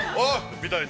みたいに。